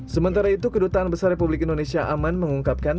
sementara itu kedutaan besar republik indonesia aman mengungkapkan